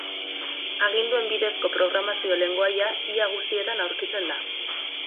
Aginduen bidezko programazio lengoai ia guztietan aurkitzen da.